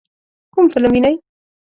کوم فلم وینئ؟